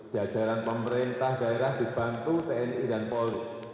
jajaran pemerintah daerah dibantu tni dan polri